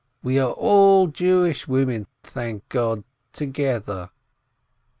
We are all Jewish women, thank God, together !"